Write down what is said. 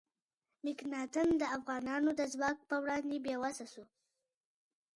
مکناتن د افغانانو د ځواک په وړاندې بې وسه شو.